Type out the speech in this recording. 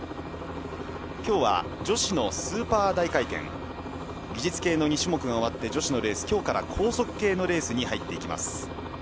今日は女子のスーパー大回転技術系の２種目が終わって女子のレースは今日から高速系のレースに入っていきます。